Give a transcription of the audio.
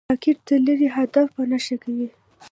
راکټ د لرې هدف په نښه کوي